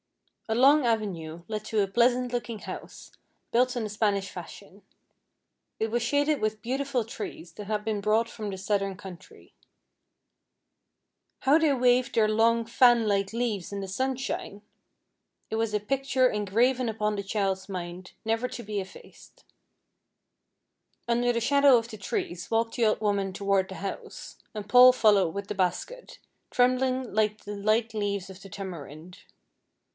A long avenue led to a pleasant looking house, built in the Spanish fashion. It was shaded with beautiful trees, that had been brought from the southern country. How they waved their long fan like leaves in the sunshine! It was a picture engraven upon the child's mind never to be effaced. Under the shadow of the trees walked the old woman toward the house, and Paul followed with the basket, trembling like the light leaves of the tamarind.